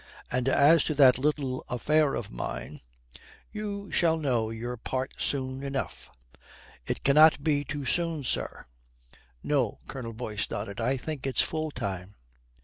"And as to that little affair of mine you shall know your part soon enough." "It cannot be too soon, sir." "No." Colonel Boyce nodded. "I think it's full time."